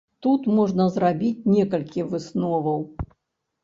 Тут можна зрабіць некалькі высноваў.